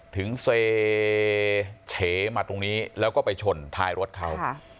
ถึงเซเฉมาตรงนี้แล้วก็ไปชนท้ายรถเขา